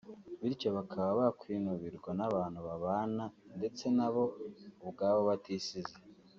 bityo bakaba bakwinubirwa n’abantu babana ndetse nabo ubwabo batisize